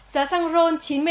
giá xăng ron chín mươi hai